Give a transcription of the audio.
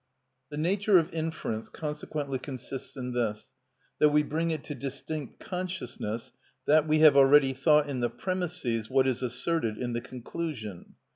The nature of inference consequently consists in this, that we bring it to distinct consciousness that we have already thought in the premisses what is asserted in the conclusion.